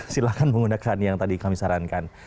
silahkan menggunakan yang tadi kami sarankan